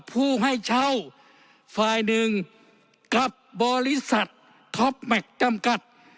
ผู้ให้เช่าฝ่ายหนึ่งกับบริษัทท็อปแม็กซ์จำกัด